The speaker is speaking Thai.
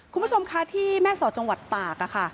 คุณผู้ชมคะที่แม่สอดจังหวัดตากค่ะ